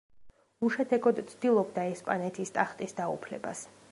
უშედეგოდ ცდილობდა ესპანეთის ტახტის დაუფლებას.